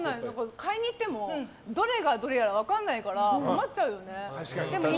買いに行ってもどれがどれやら分からないから困っちゃうよね。